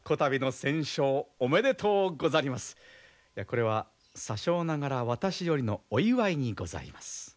これは些少ながら私よりのお祝いにございます。